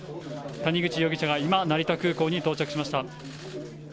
谷口容疑者が今、成田空港に到着しました。